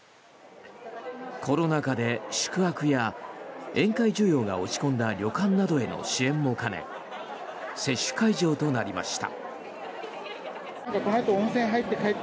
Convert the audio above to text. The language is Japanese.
コロナ禍で宿泊や宴会需要が落ち込んだ旅館などへの支援も兼ね接種会場となりました。